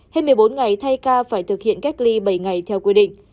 hết một mươi bốn ngày thay ca phải thực hiện cách ly bảy ngày theo quy định